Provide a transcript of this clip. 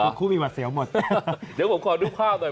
คู่มีหวัดเสียวหมดเดี๋ยวผมขอดูภาพหน่อย